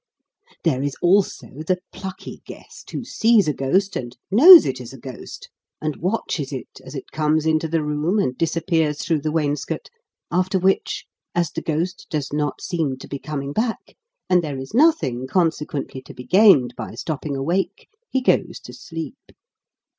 There is also the plucky guest, who sees a ghost, and knows it is a ghost, and watches it, as it comes into the room and disappears through the wainscot, after which, as the ghost does not seem to be coming back, and there is nothing, consequently, to be gained by stopping awake, he goes to sleep.